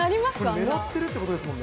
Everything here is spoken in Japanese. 狙ってるってことですもんね。